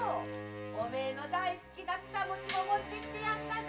お前の大好きな草餅も持ってきてやったぞ！